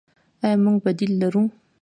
آیا موږ بدیل لرو؟